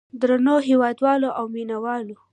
درنو هېوادوالو او مینه والو.